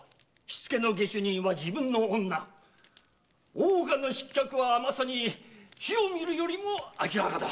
大岡の失脚はまさに火を見るよりも明らかだ。